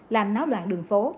làm náo loạn đường phố